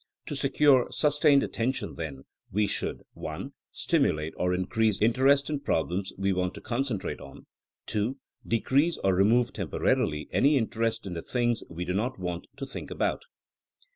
To secure sustained attention, then, we should (1) stimulate or in crease interest in problems we want to concen trate on, (2) decrease or remove temporarily any interest in the things we do not want to think about.